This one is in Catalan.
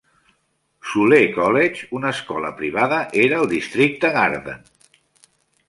Soulé College, una escola privada, era al districte Garden.